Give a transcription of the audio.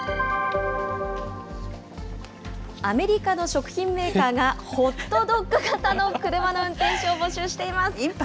アメリカの食品メーカーが、ホットドッグ型の車の運転手を募集しています。